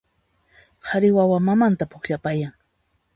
Qhari wawa mamanta pukllapayan